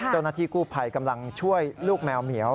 เจ้าหน้าที่กู้ภัยกำลังช่วยลูกแมวเหมียว